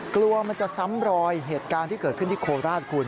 กลัวจะซ้ำรอยหกการที่เกิดขึ้นที่โคลาธคุณ